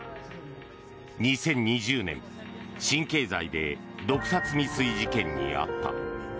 ２０２０年神経剤で毒殺未遂事件に遭った。